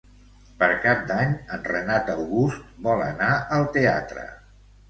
Per Cap d'Any en Renat August vol anar al teatre.